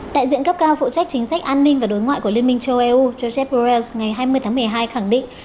đại diện cấp cao phụ trách chính sách an ninh và đối ngoại của liên minh châu âu jac borrells ngày hai mươi tháng một mươi hai khẳng định